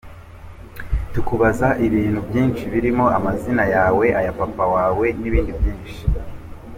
Tukubaza ibintu byinshi birimo amazina yawe, aya papa wawe n’ibindi byinshi”.